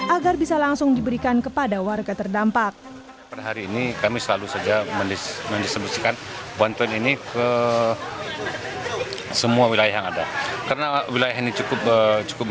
agar bisa langsung diberikan kepada warga terdampak